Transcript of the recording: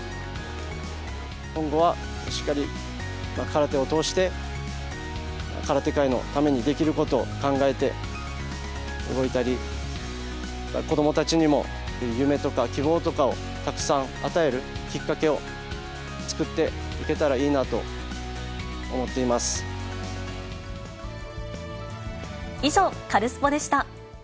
今後はしっかり空手を通して、空手界のためにできることを考えて、動いたり、子どもたちにも夢とか希望とかをたくさん与えるきっかけを作って以上、カルスポっ！でした。